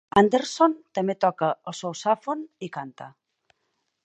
Anderson també toca el sousàfon i canta.